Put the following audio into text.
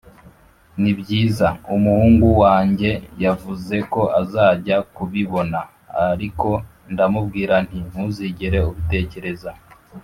nibyiza, umuhungu wanjye yavuze ko azajya kubibona, ariko ndamubwira nti "ntuzigere ubitekereza."